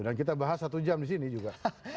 dan kita bahas satu jam di sini juga